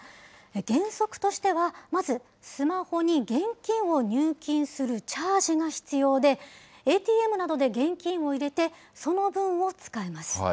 原則としてはまず、スマホに現金を入金するチャージが必要で、ＡＴＭなどで現金を入れて、その分を使えます。